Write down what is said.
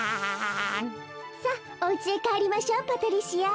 さあおうちへかえりましょうパトリシア。